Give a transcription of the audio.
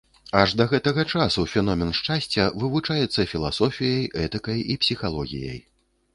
Аж да гэтага часу феномен шчасця вывучаецца філасофіяй, этыкай і псіхалогіяй.